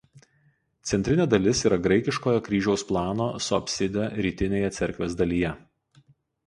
Centrinė dalis yra graikiškojo kryžiaus plano su apside rytinėje cerkvės dalyje.